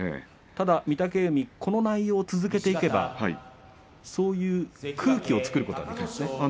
ただ御嶽海この内容を続けていけばそういう空気を作ることができますね。